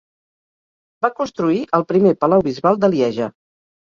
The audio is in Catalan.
Va construir el primer palau bisbal de Lieja.